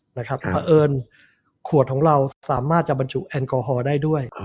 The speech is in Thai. เพราะเอิญขวดของเราสามารถจะบรรจุแอลกอฮอล์ได้ด้วย